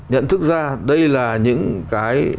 nhận thức ra đây là những cái